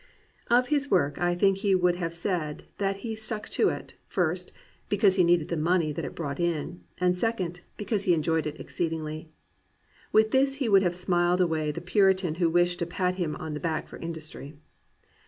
Of his work I think he would have said that he stuck to it, first, because he needed the money that it brought in, and second, because he enjoyed it exceedingly. With this he would have smiled away the puritan who wished to pat him on the back for industry.